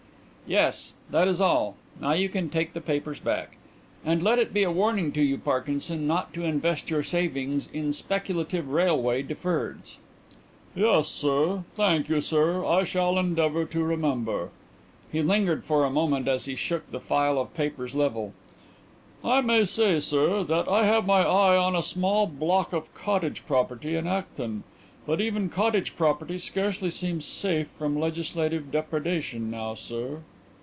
'" "Yes; that is all. Now you can take the papers back. And let it be a warning to you, Parkinson, not to invest your savings in speculative railway deferreds." "Yes, sir. Thank you, sir, I will endeavour to remember." He lingered for a moment as he shook the file of papers level. "I may say, sir, that I have my eye on a small block of cottage property at Acton. But even cottage property scarcely seems safe from legislative depredation now, sir."